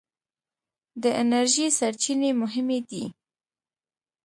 د انرژۍ سرچینې مهمې دي.